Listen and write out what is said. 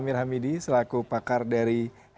garam itu saya pikir tidak